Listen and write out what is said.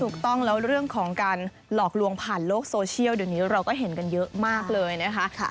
ถูกต้องแล้วเรื่องของการหลอกลวงผ่านโลกโซเชียลเดี๋ยวนี้เราก็เห็นกันเยอะมากเลยนะคะ